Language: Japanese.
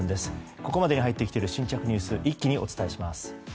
ここまでに入ってきている新着ニュース一気にお伝えします。